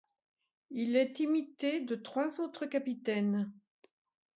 Il est imité de trois autres capitaines.